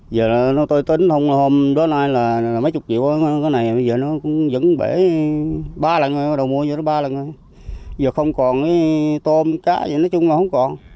giờ nó tơi tính hôm đó nay là mấy chục triệu cái này bây giờ nó vẫn bể ba lần rồi đầu môi vô nó ba lần rồi giờ không còn tôm cá gì nói chung là không còn